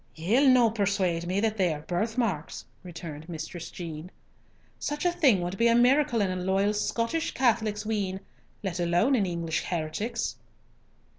"Ye'll no persuade me that they are birth marks," returned Mistress Jean. "Such a thing would be a miracle in a loyal Scottish Catholic's wean, let alone an English heretic's."